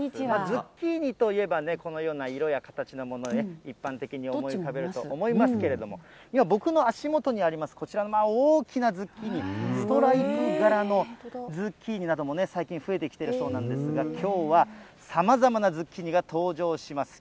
ズッキーニといえばね、このような色や形のものが一般的に思い浮かべると思いますけれども、今、僕の足元にあります、こちらの大きなズッキーニ、ストライプ柄のズッキーニなどもね、最近増えてきているそうなんですが、きょうは、さまざまなズッキーニが登場します。